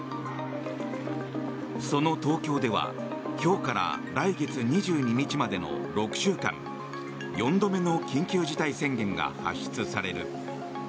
その東京では今日から来月２２日までの６週間４度目の緊急事態宣言が発出される。